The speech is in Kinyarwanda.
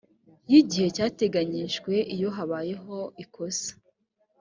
y igihe cyateganyijwe iyo habayeho ikosa